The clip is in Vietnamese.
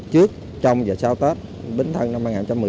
trước trong và sau tết bến thân năm hai nghìn một mươi sáu